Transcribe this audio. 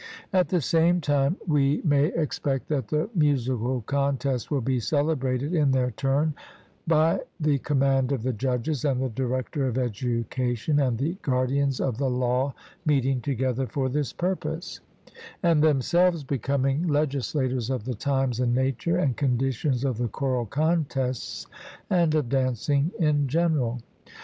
At the same time, we may expect that the musical contests will be celebrated in their turn by the command of the judges and the director of education and the guardians of the law meeting together for this purpose, and themselves becoming legislators of the times and nature and conditions of the choral contests and of dancing in general.